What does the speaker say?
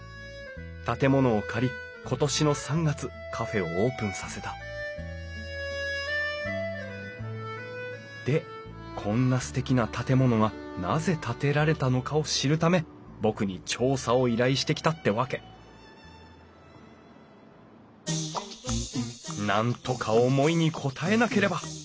建物を借り今年の３月カフェをオープンさせたでこんなすてきな建物がなぜ建てられたのかを知るため僕に調査を依頼してきたってわけなんとか思いに応えなければ！